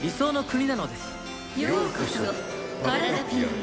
ようこそパラダピアへ。